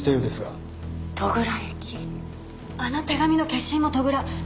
あの手紙の消印も戸倉。